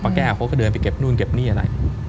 แก้วเขาก็เดินไปเก็บนู่นเก็บนี่อะไร